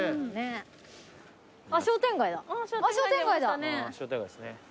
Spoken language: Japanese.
商店街ですね。